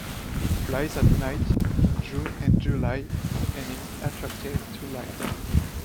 It flies at night in June and July and is attracted to light.